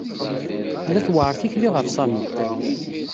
Tella tewɛeṛ tikli ɣef Sami.